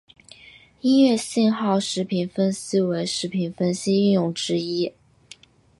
音乐信号时频分析为时频分析应用之一。